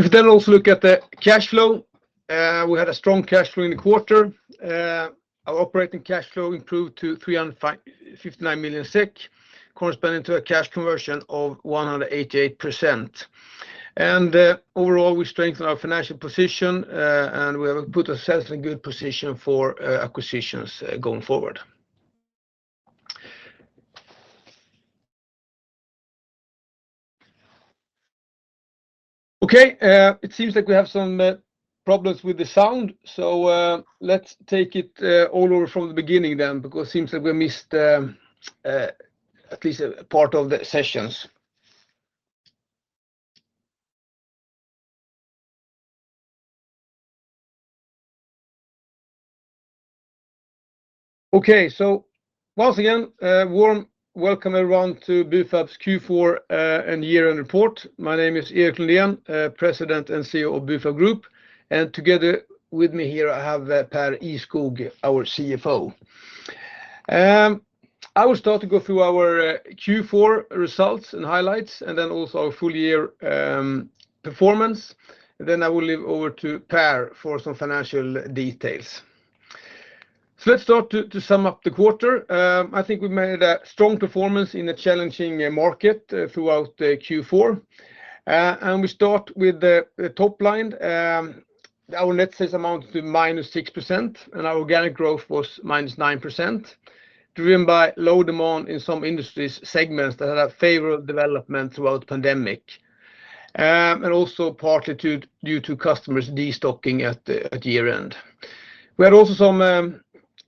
If you then also look at the cash flow, we had a strong cash flow in the quarter. Our operating cash flow improved to 359 million SEK, corresponding to a cash conversion of 188%. Overall, we strengthened our financial position, and we have put ourselves in a good position for acquisitions going forward. Okay, it seems like we have some problems with the sound, so let's take it all over from the beginning then, because it seems like we missed at least a part of the sessions. Okay, so once again, a warm welcome, everyone, to Bufab's Q4 and year-end report. My name is Erik Lundén, President and CEO of Bufab Group, and together with me here, I have Pär Ihrskog, our CFO. I will start to go through our Q4 results and highlights, and then also our full year performance. Then I will leave over to Pär for some financial details. So let's start to sum up the quarter. I think we made a strong performance in a challenging market throughout the Q4. We start with the top line. Our net sales amounted to -6%, and our organic growth was -9%, driven by low demand in some industries segments that had a favorable development throughout the pandemic, and also partly due to customers destocking at the year-end. We had also some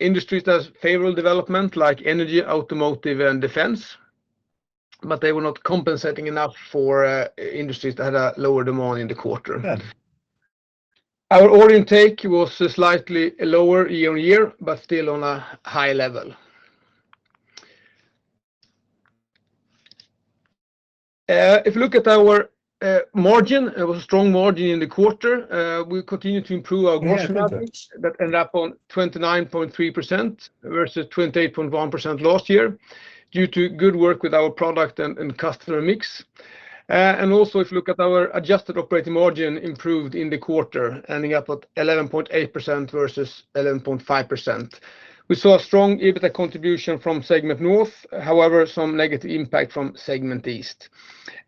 industries that has favorable development, like energy, automotive, and defense, but they were not compensating enough for industries that had a lower demand in the quarter. Our order intake was slightly lower year-over-year, but still on a high level. If you look at our margin, it was a strong margin in the quarter. We continued to improve our gross margin. Yeah. -that ended up on 29.3% versus 28.1% last year, due to good work with our product and, and customer mix. And also, if you look at our adjusted operating margin improved in the quarter, ending up at 11.8% versus 11.5%. We saw a strong EBITDA contribution from segment North, however, some negative impact from segment East.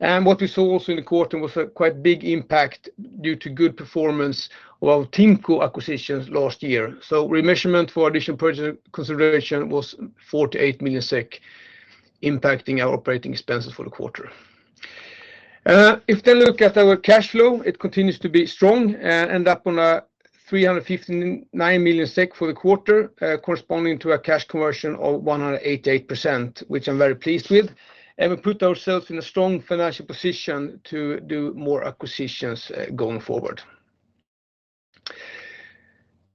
And what we saw also in the quarter was a quite big impact due to good performance of our TIMCO acquisitions last year. So remeasurement for additional purchase consideration was 48 million SEK, impacting our operating expenses for the quarter. If we then look at our cash flow, it continues to be strong and end up on 359 million SEK for the quarter, corresponding to a cash conversion of 188%, which I'm very pleased with, and we put ourselves in a strong financial position to do more acquisitions going forward.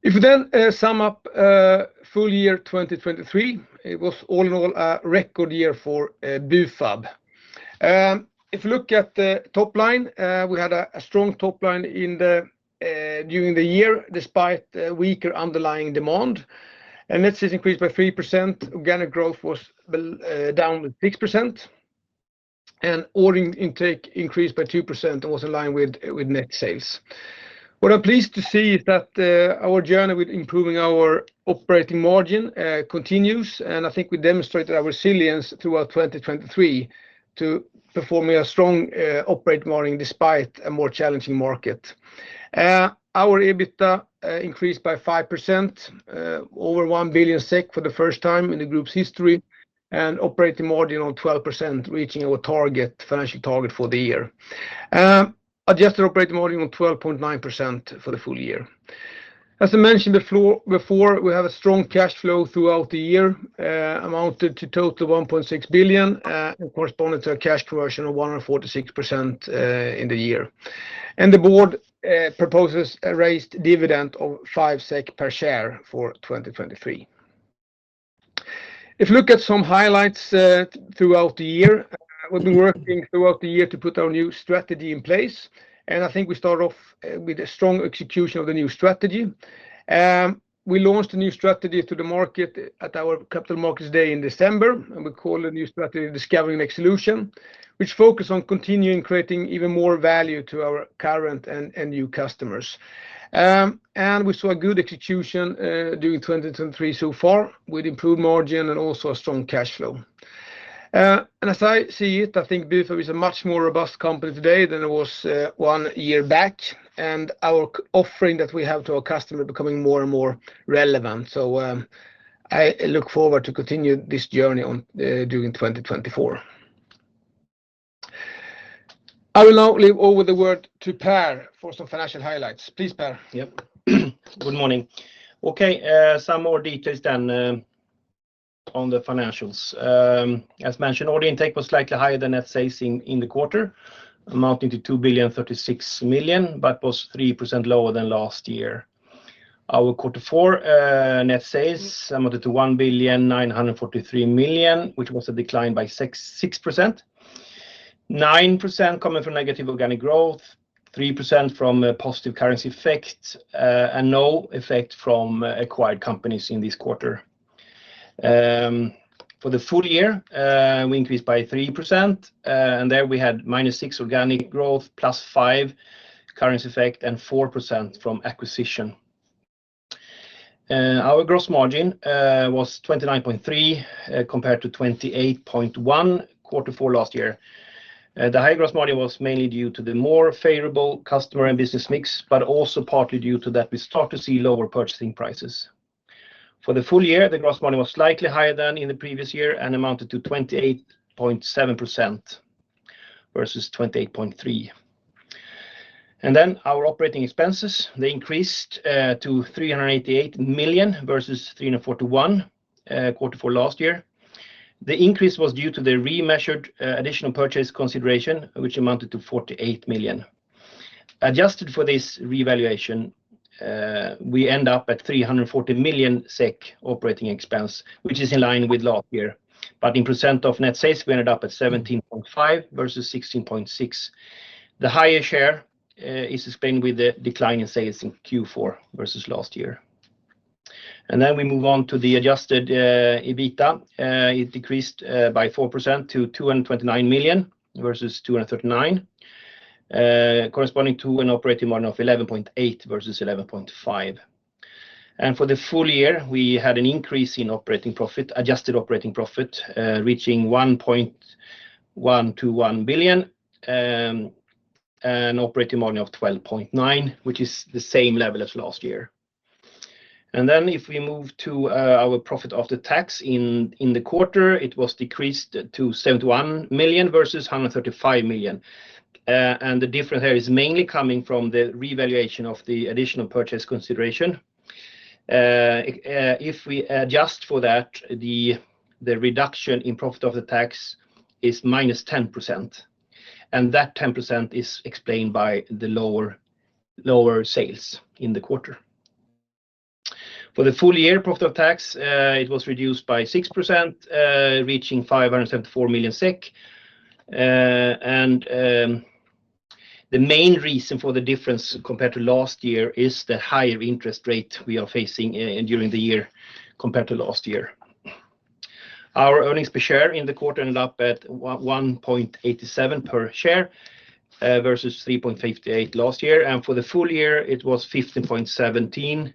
If we then sum up full year 2023, it was all in all a record year for Bufab. If you look at the top line, we had a strong top line during the year, despite weaker underlying demand. Net sales increased by 3%, organic growth was down 6%, and order intake increased by 2% and was in line with net sales. What I'm pleased to see is that our journey with improving our operating margin continues, and I think we demonstrated our resilience throughout 2023 to performing a strong operating margin despite a more challenging market. Our EBITDA increased by 5% over 1 billion SEK for the first time in the group's history, and operating margin on 12%, reaching our target, financial target for the year. Adjusted operating margin on 12.9% for the full year. As I mentioned before, we have a strong cash flow throughout the year, amounted to total 1.6 billion, and corresponding to a cash conversion of 146% in the year. And the board proposes a raised dividend of 5 SEK per share for 2023. If you look at some highlights throughout the year, we've been working throughout the year to put our new strategy in place, and I think we start off with a strong execution of the new strategy. We launched a new strategy to the market at our Capital Markets Day in December, and we call the new strategy Discover Next Solution, which focus on continuing creating even more value to our current and new customers. And we saw a good execution during 2023 so far, with improved margin and also a strong cash flow. And as I see it, I think Bufab is a much more robust company today than it was one year back, and our C-parts offering that we have to our customer becoming more and more relevant. I look forward to continue this journey during 2024. I will now hand over the word to Pär for some financial highlights. Please, Pär. Yep. Good morning. Okay, some more details then, on the financials. As mentioned, order intake was slightly higher than net sales in the quarter, amounting to 2,036 million, but was 3% lower than last year. Our quarter four net sales amounted to 1,943 million, which was a decline by 6%. 9% coming from negative organic growth, 3% from a positive currency effect, and no effect from acquired companies in this quarter. For the full year, we increased by 3%, and there we had -6% organic growth, +5% currency effect, and 4% from acquisition. Our gross margin was 29.3%, compared to 28.1%, quarter four last year. The high gross margin was mainly due to the more favorable customer and business mix, but also partly due to that, we start to see lower purchasing prices. For the full year, the gross margin was slightly higher than in the previous year and amounted to 28.7% versus 28.3%. And then our operating expenses, they increased to 388 million versus 341 million, quarter four last year. The increase was due to the remeasured additional purchase consideration, which amounted to 48 million. Adjusted for this revaluation, we end up at 340 million SEK operating expense, which is in line with last year. But in percent of net sales, we ended up at 17.5% versus 16.6%. The higher share is explained with the decline in sales in Q4 versus last year. And then we move on to the adjusted EBITDA. It decreased by 4% to 229 million versus 239 million, corresponding to an operating margin of 11.8% versus 11.5%. And for the full year, we had an increase in operating profit, adjusted operating profit, reaching 1.121 billion, and operating margin of 12.9%, which is the same level as last year. And then if we move to our profit after tax in the quarter, it was decreased to 71 million versus 135 million. And the difference here is mainly coming from the revaluation of the additional purchase consideration. If we adjust for that, the reduction in profit before tax is -10%, and that 10% is explained by the lower sales in the quarter. For the full year profit before tax, it was reduced by 6%, reaching 574 million SEK. And the main reason for the difference compared to last year is the higher interest rate we are facing during the year compared to last year. Our earnings per share in the quarter ended up at 1.87 per share, versus 3.58 last year, and for the full year it was 15.17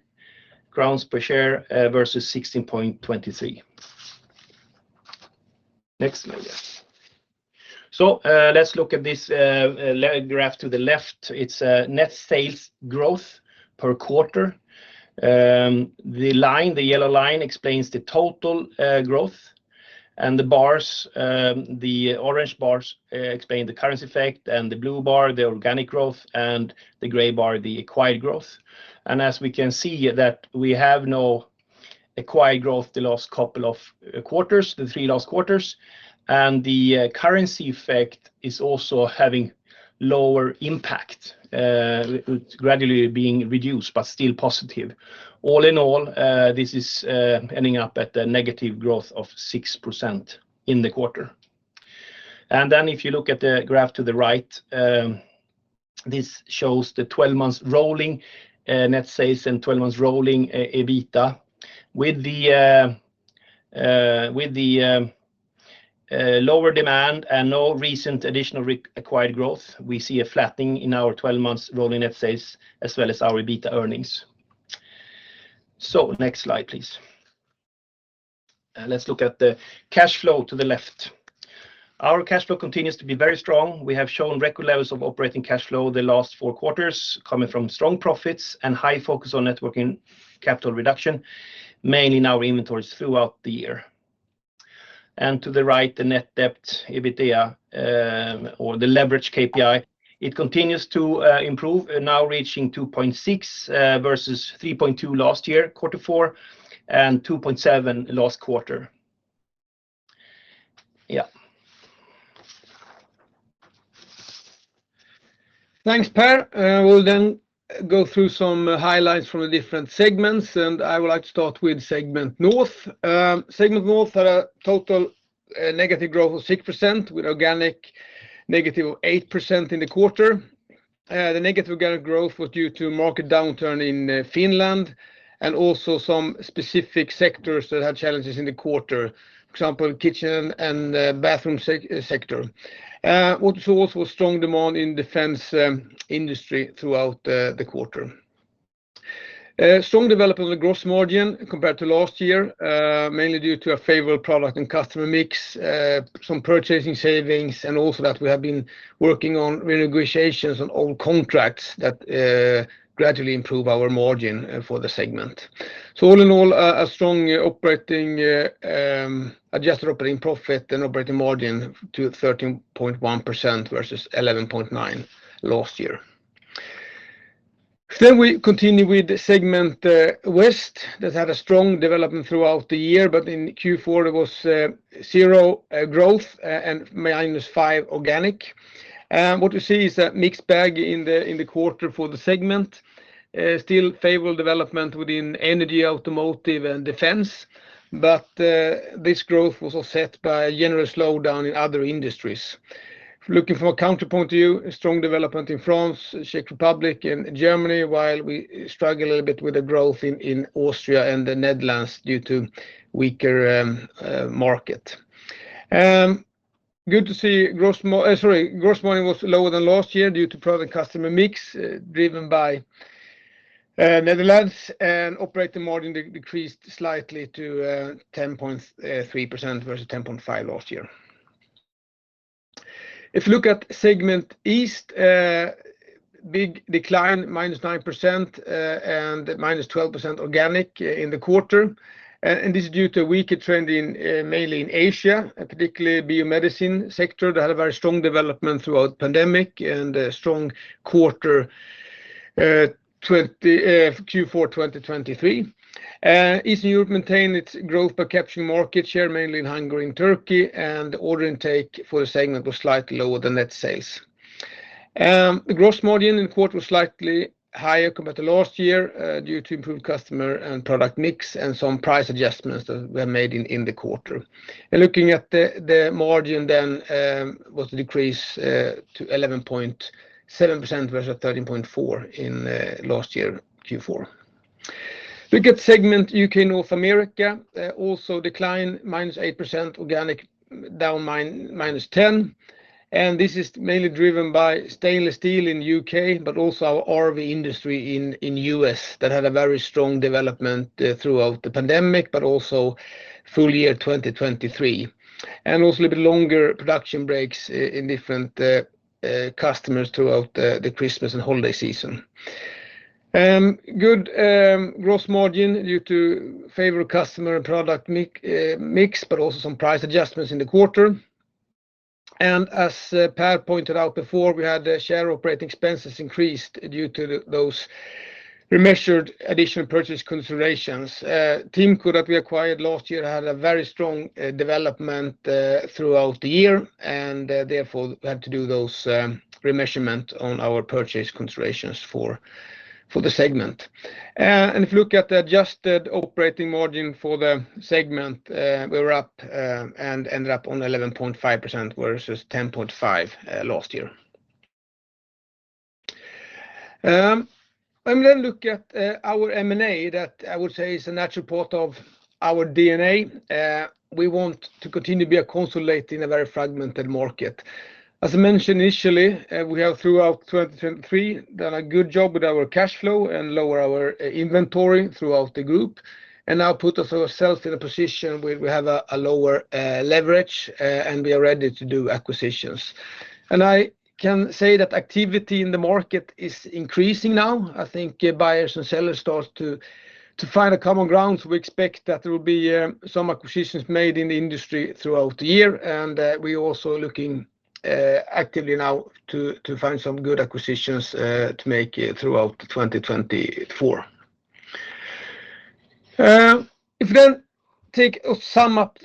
crowns per share, versus 16.23. Next slide. So, let's look at this graph to the left. It's net sales growth per quarter. The line, the yellow line explains the total growth, and the bars, the orange bars explain the currency effect, and the blue bar, the organic growth, and the gray bar, the acquired growth. And as we can see, that we have no acquired growth the last couple of quarters, the three last quarters, and the currency effect is also having lower impact gradually being reduced, but still positive. All in all, this is ending up at a negative growth of 6% in the quarter. And then if you look at the graph to the right, this shows the 12 months rolling net sales and 12 months rolling EBITDA. With the lower demand and no recent additional acquired growth, we see a flattening in our 12 months rolling net sales, as well as our EBITDA earnings. So next slide, please. Let's look at the cash flow to the left. Our cash flow continues to be very strong. We have shown record levels of operating cash flow the last four quarters, coming from strong profits and high focus on net working capital reduction, mainly in our inventories throughout the year. And to the right, the net debt, EBITDA, or the leverage KPI, it continues to improve, now reaching 2.6, versus 3.2 last year, quarter four, and 2.7 last quarter. Yeah. Thanks, Pär. We'll then go through some highlights from the different segments, and I would like to start with segment North. Segment North had a total growth of -6%, with organic of -8% in the quarter. The negative organic growth was due to market downturn in Finland and also some specific sectors that had challenges in the quarter, for example, kitchen and bathroom sector. But also a strong demand in defense industry throughout the quarter. Strong development of the gross margin compared to last year, mainly due to a favorable product and customer mix, some purchasing savings, and also that we have been working on renegotiations on all contracts that gradually improve our margin for the segment. So all in all, a strong adjusted operating profit and operating margin to 13.1% versus 11.9% last year. We continue with the segment West. That had a strong development throughout the year, but in Q4, there was zero growth and -5 organic. And what we see is a mixed bag in the quarter for the segment. Still favorable development within energy, automotive, and defense, but this growth was offset by a general slowdown in other industries. Looking for a counterpoint to you, a strong development in France, Czech Republic, and Germany, while we struggle a little bit with the growth in Austria and the Netherlands due to weaker market. Good to see gross margin was lower than last year due to product customer mix, driven by Netherlands, and operating margin decreased slightly to 10.3% versus 10.5% last year. If you look at segment East, a big decline, -9%, and -12% organic in the quarter. And this is due to weaker trend mainly in Asia, and particularly biomedicine sector. They had a very strong development throughout pandemic and a strong quarter, Q4 2023. Eastern Europe maintained its growth by capturing market share, mainly in Hungary and Turkey, and the order intake for the segment was slightly lower than net sales. The gross margin in the quarter was slightly higher compared to last year, due to improved customer and product mix and some price adjustments that were made in the quarter. Looking at the margin then, was decreased to 11.7% versus 13.4 in last year, Q4. Look at segment U.K. North America, also declined -8%, organic down -10%. And this is mainly driven by stainless steel in U.K., but also our RV industry in U.S., that had a very strong development throughout the pandemic, but also full year, 2023. And also a little bit longer production breaks in different customers throughout the Christmas and holiday season. Good gross margin due to favorable customer and product mix, but also some price adjustments in the quarter. And as Pär pointed out before, we had the share operating expenses increased due to those remeasured additional purchase considerations. TIMCO that we acquired last year had a very strong development throughout the year, and therefore we had to do those re-measurement on our purchase considerations for the segment. And if you look at the adjusted operating margin for the segment, we were up and ended up on 11.5% versus 10.5% last year. And then look at our M&A, that I would say is a natural part of our DNA. We want to continue to be a consolidator in a very fragmented market. As I mentioned initially, we have throughout 2023 done a good job with our cash flow and lower our inventory throughout the group, and now put ourselves in a position where we have a lower leverage, and we are ready to do acquisitions. I can say that activity in the market is increasing now. I think buyers and sellers start to find a common ground. We expect that there will be some acquisitions made in the industry throughout the year, and we're also looking actively now to find some good acquisitions to make throughout 2024. If you then take or sum up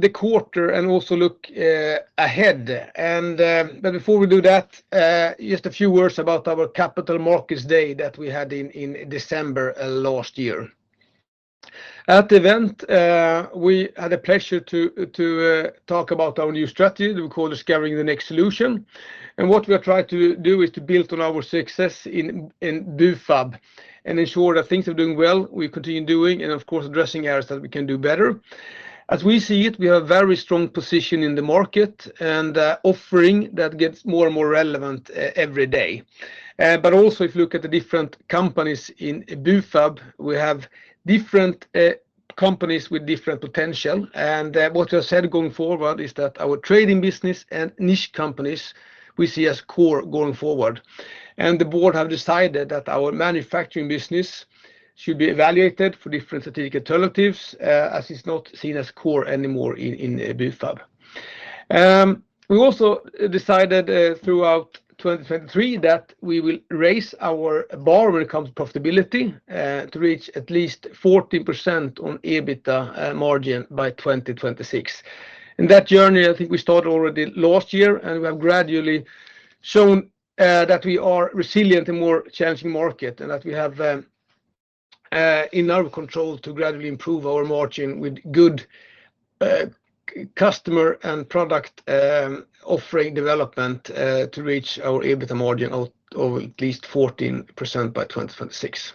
the quarter and also look ahead, but before we do that, just a few words about our Capital Markets Day that we had in December last year. At the event, we had a pleasure to talk about our new strategy that we call Discovering the Next Solution. And what we are trying to do is to build on our success in Bufab and ensure that things are doing well, we continue doing and, of course, addressing areas that we can do better. As we see it, we have a very strong position in the market and offering that gets more and more relevant every day. But also, if you look at the different companies in Bufab, we have different companies with different potential. What we have said going forward is that our trading business and niche companies, we see as core going forward. The board have decided that our manufacturing business should be evaluated for different strategic alternatives, as it's not seen as core anymore in Bufab. We also decided, throughout 2023, that we will raise our bar when it comes to profitability, to reach at least 14% on EBITDA margin by 2026. In that journey, I think we started already last year, and we have gradually shown that we are resilient in more challenging market and that we have in our control to gradually improve our margin with good customer and product offering development, to reach our EBITDA margin of at least 14% by 2026.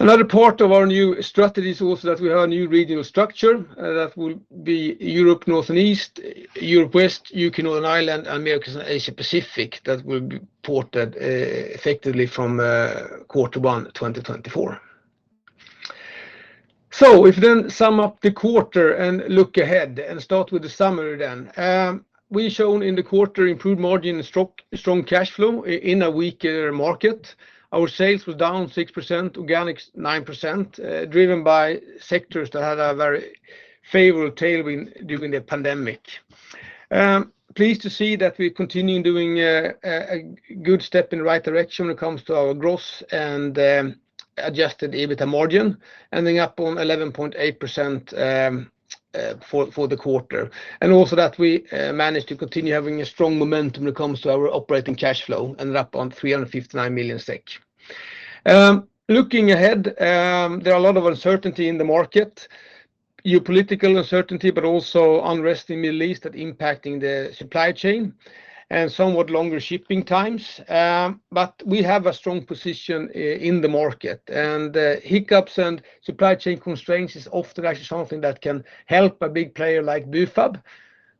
Another part of our new strategy is also that we have a new regional structure, that will be Europe, North and East, Europe, West, U.K., Northern Ireland, Americas, and Asia Pacific, that will be ported effectively from quarter one 2024. So if you then sum up the quarter and look ahead and start with the summary then, we've shown in the quarter improved margin and strong cash flow in a weaker market. Our sales were down 6%, organic 9%, driven by sectors that had a very favorable tailwind during the pandemic. Pleased to see that we continue doing a good step in the right direction when it comes to our gross and adjusted EBITDA margin, ending up on 11.8% for the quarter. Also that we managed to continue having a strong momentum when it comes to our operating cash flow, ended up on 359 million SEK. Looking ahead, there are a lot of uncertainty in the market. Geopolitical uncertainty, but also unrest in the Middle East that impacting the supply chain and somewhat longer shipping times. But we have a strong position in the market, and hiccups and supply chain constraints is often actually something that can help a big player like Bufab.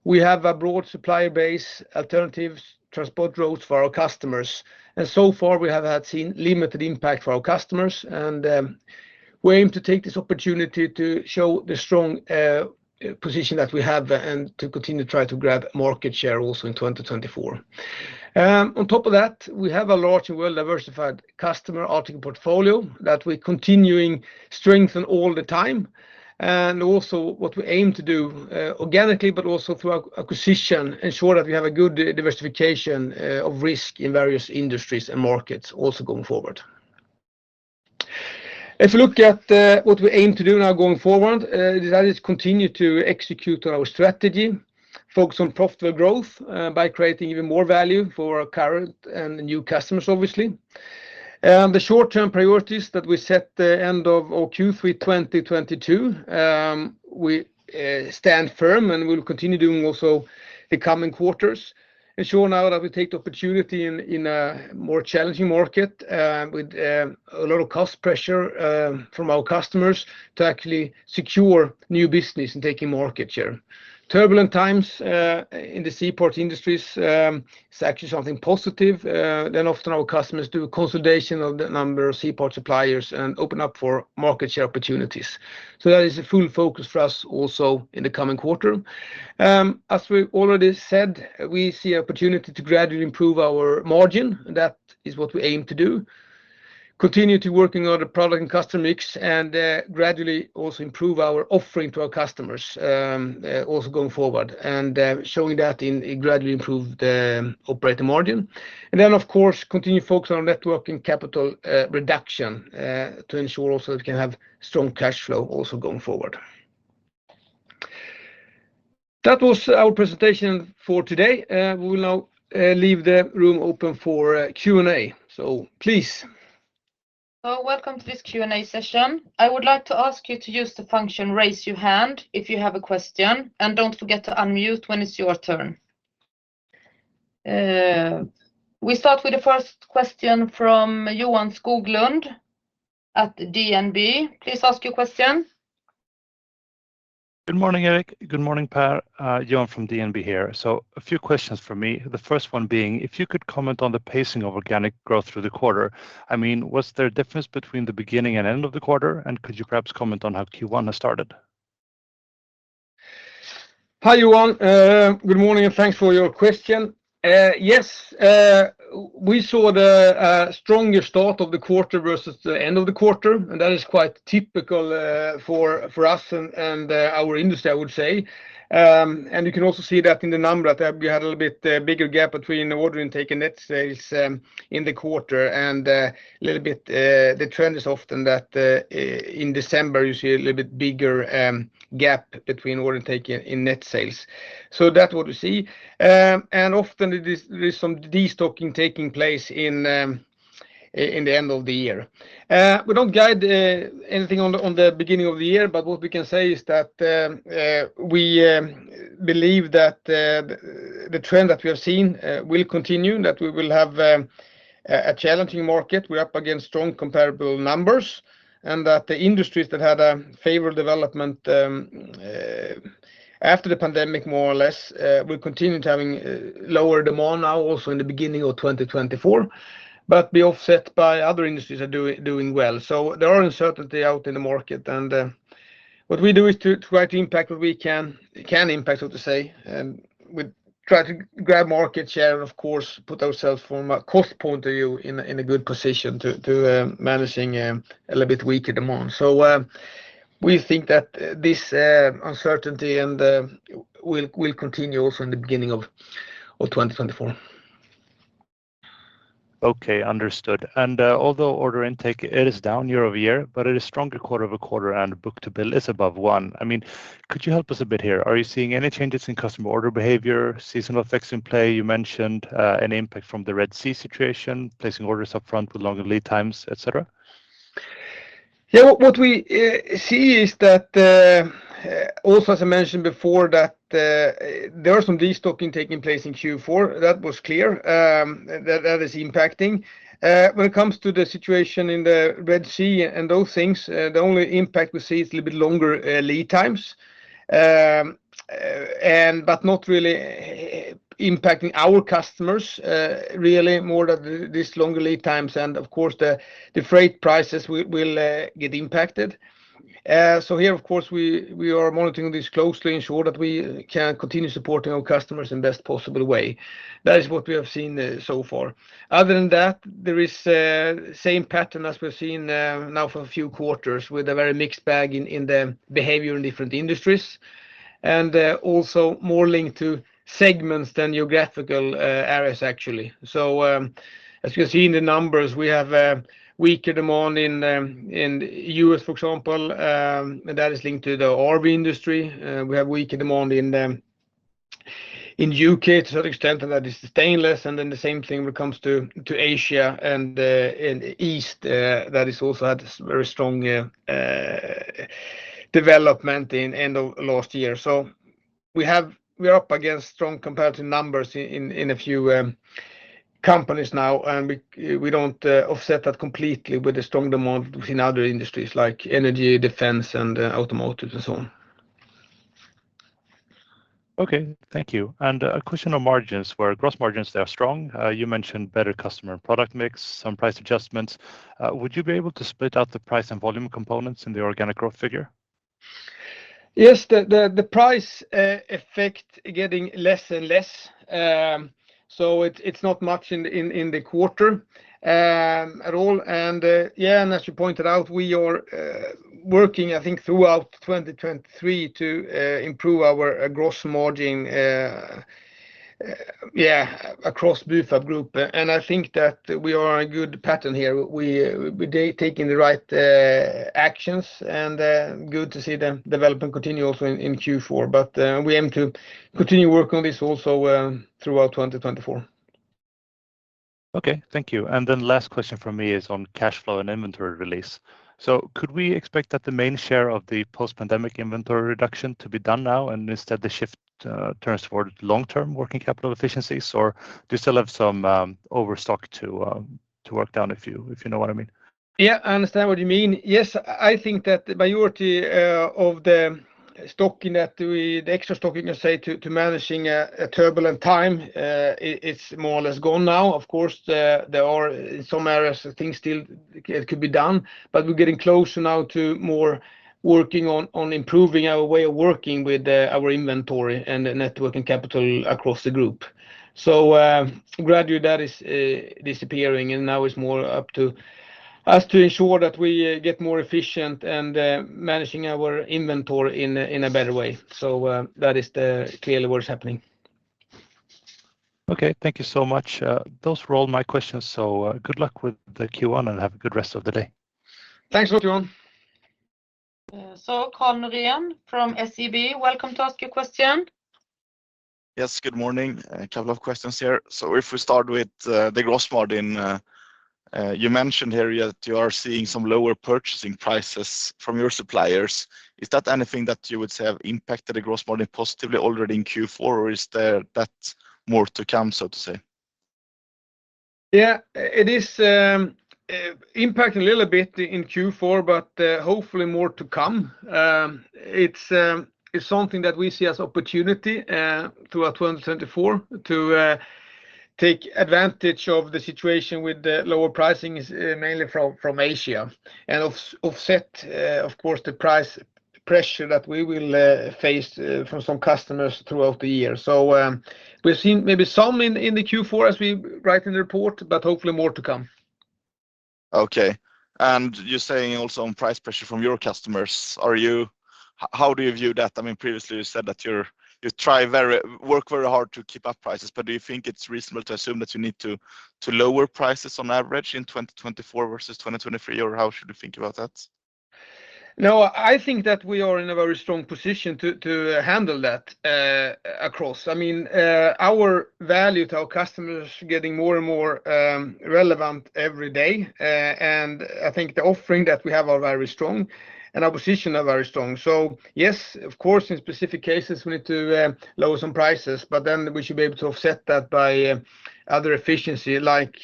We have a broad supplier base, alternatives, transport routes for our customers, and so far, we have had seen limited impact for our customers, and we aim to take this opportunity to show the strong position that we have and to continue to try to grab market share also in 2024. On top of that, we have a large and well-diversified customer article portfolio that we're continuing to strengthen all the time, and also what we aim to do, organically, but also through acquisition, ensure that we have a good diversification, of risk in various industries and markets also going forward. If you look at, what we aim to do now going forward, that is continue to execute on our strategy, focus on profitable growth, by creating even more value for our current and new customers, obviously. The short-term priorities that we set the end of our Q3 2022, we, stand firm, and we'll continue doing also the coming quarters. Ensure now that we take the opportunity in a more challenging market, with a lot of cost pressure, from our customers to actually secure new business and taking market share. Turbulent times in the C-parts industries is actually something positive. Then often our customers do a consolidation of the number of C-parts suppliers and open up for market share opportunities. So that is a full focus for us also in the coming quarter. As we already said, we see an opportunity to gradually improve our margin, and that is what we aim to do. Continue to working on the product and customer mix, and gradually also improve our offering to our customers, also going forward, and showing that in gradually improve the operating margin. And then, of course, continue to focus on net working capital reduction to ensure also that we can have strong cash flow also going forward. That was our presentation for today. We will now leave the room open for Q&A. So please. So welcome to this Q&A session. I would like to ask you to use the function, raise your hand, if you have a question, and don't forget to unmute when it's your turn. We start with the first question from Johan Skoglund at DNB. Please ask your question. Good morning, Erik. Good morning, Pär. Johan from DNB here. So a few questions for me. The first one being, if you could comment on the pacing of organic growth through the quarter, I mean, was there a difference between the beginning and end of the quarter? And could you perhaps comment on how Q1 has started? Hi, Johan. Good morning, and thanks for your question. Yes, we saw the strongest start of the quarter versus the end of the quarter, and that is quite typical for us and our industry, I would say. And you can also see that in the number that we had a little bit bigger gap between the order intake and net sales in the quarter, and a little bit the trend is often that in December, you see a little bit bigger gap between order intake and net sales. So that's what we see. And often, there's some destocking taking place in the end of the year. We don't guide anything on the beginning of the year, but what we can say is that we believe that the trend that we have seen will continue, that we will have a challenging market. We're up against strong comparable numbers, and that the industries that had a favorable development after the pandemic, more or less, will continue to having lower demand now also in the beginning of 2024, but be offset by other industries are doing, doing well. So there are uncertainty out in the market, and what we do is to try to impact what we can, can impact, so to say, and we try to grab market share and, of course, put ourselves from a cost point of view in a good position to managing a little bit weaker demand. So, we think that this uncertainty and will continue also in the beginning of 2024. Okay, understood. Although order intake, it is down year-over-year, but it is stronger quarter-over-quarter, and book-to-bill is above one. I mean, could you help us a bit here? Are you seeing any changes in customer order behavior, seasonal effects in play? You mentioned an impact from the Red Sea situation, placing orders upfront with longer lead times, et cetera. Yeah, what we see is that also, as I mentioned before, that there are some destocking taking place in Q4. That was clear. That is impacting. When it comes to the situation in the Red Sea and those things, the only impact we see is a little bit longer lead times, and but not really impacting our customers really more than these longer lead times, and of course, the freight prices will get impacted. So here, of course, we are monitoring this closely, ensure that we can continue supporting our customers in best possible way. That is what we have seen so far. Other than that, there is a same pattern as we've seen, now for a few quarters, with a very mixed bag in, in the behavior in different industries, and, also more linked to segments than geographical, areas, actually. So, as you can see in the numbers, we have a weaker demand in, in U.S., for example, that is linked to the RV industry. We have weaker demand in the U.K., to that extent, that is stainless, and then the same thing when it comes to, to Asia and, and East, that is also had this very strong, development in end of last year. We're up against strong competitive numbers in a few companies now, and we don't offset that completely with the strong demand within other industries like energy, defense, and automotive, and so on. Okay, thank you. A question on margins. For our gross margins, they are strong. You mentioned better customer product mix, some price adjustments. Would you be able to split out the price and volume components in the organic growth figure? Yes. The price effect getting less and less. So it, it's not much in the quarter at all. And yeah, and as you pointed out, we are working, I think, throughout 2023 to improve our gross margin yeah, across Bufab Group. And I think that we are on a good pattern here. We taking the right actions, and good to see the development continue also in Q4. But we aim to continue work on this also throughout 2024. Okay, thank you. And then last question from me is on cash flow and inventory release. So could we expect that the main share of the post-pandemic inventory reduction to be done now, and instead the shift turns toward long-term working capital efficiencies, or do you still have some overstock to work down, if you know what I mean? Yeah, I understand what you mean. Yes, I think that the majority of the stocking that we, the extra stocking, let's say, to managing a turbulent time, it's more or less gone now. Of course, there are some areas that things still could be done, but we're getting closer now to more working on improving our way of working with our inventory and net working capital across the group. So, gradually, that is disappearing, and now it's more up to us to ensure that we get more efficient and managing our inventory in a better way. So, that is clearly what is happening. Okay, thank you so much. Those were all my questions, so, good luck with the Q1, and have a good rest of the day. Thanks, Johan. Karl Norén from SEB, welcome to ask your question. Yes, good morning. A couple of questions here. So if we start with the gross margin, you mentioned here that you are seeing some lower purchasing prices from your suppliers. Is that anything that you would say have impacted the gross margin positively already in Q4, or is there that more to come, so to say? Yeah. It is impacting a little bit in Q4, but hopefully more to come. It's something that we see as opportunity throughout 2024 to take advantage of the situation with the lower pricing mainly from Asia and offset, of course, the price pressure that we will face from some customers throughout the year. So, we've seen maybe some in the Q4 as we write in the report, but hopefully more to come. Okay. And you're saying also on price pressure from your customers, how do you view that? I mean, previously, you said that you work very hard to keep up prices, but do you think it's reasonable to assume that you need to lower prices on average in 2024 versus 2023, or how should we think about that? No, I think that we are in a very strong position to handle that across. I mean, our value to our customers is getting more and more relevant every day. And I think the offering that we have are very strong and our position are very strong. So yes, of course, in specific cases, we need to lower some prices, but then we should be able to offset that by other efficiency, like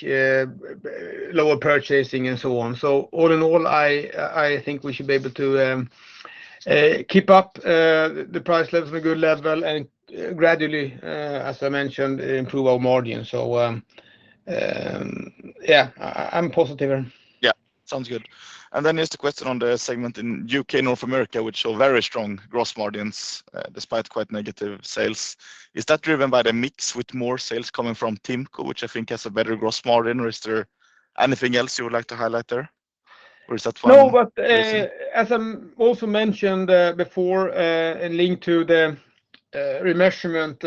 lower purchasing and so on. So all in all, I think we should be able to keep up the price levels at a good level and gradually, as I mentioned, improve our margin. So yeah, I'm positive. Yeah, sounds good. And then here's the question on the segment in U.K., North America, which show very strong gross margins, despite quite negative sales. Is that driven by the mix with more sales coming from TIMCO, which I think has a better gross margin, or is there anything else you would like to highlight there, or is that fine? No, but as I also mentioned before, and linked to the remeasurement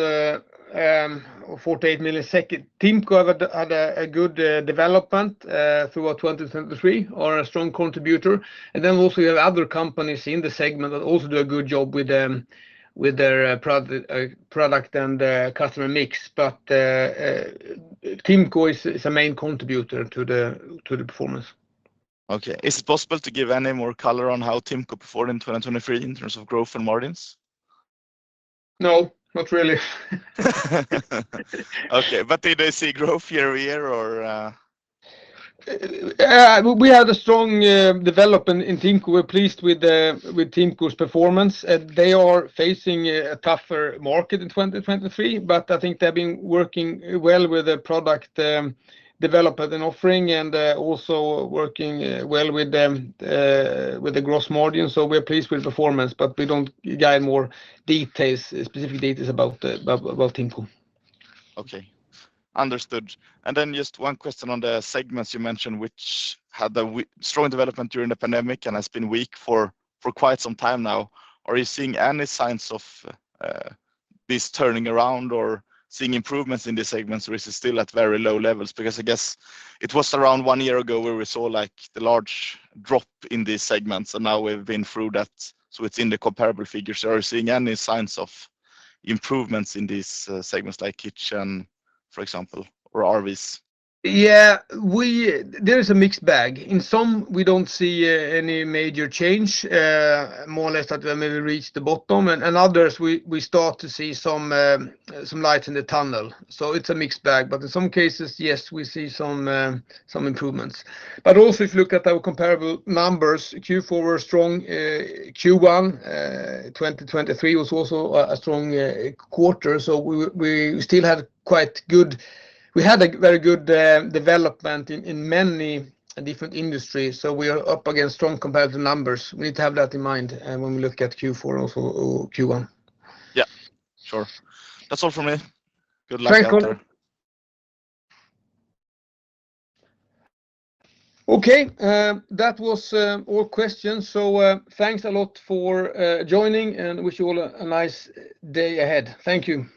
of 48 million, TIMCO have had a good development throughout 2023, are a strong contributor. And then also you have other companies in the segment that also do a good job with their product and customer mix. But TIMCO is a main contributor to the performance. Okay. Is it possible to give any more color on how TIMCO performed in 2023 in terms of growth and margins? No, not really. Okay, but did they see growth year-over-year or...? We had a strong development in TIMCO. We're pleased with TIMCO's performance. They are facing a tougher market in 2023, but I think they've been working well with the product development and offering, and also working well with the gross margin. So we're pleased with the performance, but we don't guide more details, specific details about TIMCO. Okay, understood. And then just one question on the segments you mentioned, which had a strong development during the pandemic and has been weak for quite some time now. Are you seeing any signs of this turning around or seeing improvements in these segments, or is it still at very low levels? Because I guess it was around one year ago where we saw, like, the large drop in these segments, and now we've been through that, so it's in the comparable figures. So are you seeing any signs of improvements in these segments, like kitchen, for example, or RVs? Yeah. There is a mixed bag. In some, we don't see any major change, more or less that we maybe reached the bottom, and others we start to see some light in the tunnel. So it's a mixed bag. But in some cases, yes, we see some improvements. But also, if you look at our comparable numbers, Q4 were strong, Q1 2023 was also a strong quarter, so we still had quite good. We had a very good development in many different industries, so we are up against strong competitive numbers. We need to have that in mind, when we look at Q4 and also Q1. Yeah, sure. That's all from me. Good luck out there. Thanks, Karl. Okay, that was all questions. So, thanks a lot for joining, and wish you all a nice day ahead. Thank you.